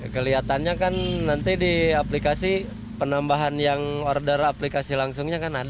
kelihatannya kan nanti di aplikasi penambahan yang order aplikasi langsungnya kan ada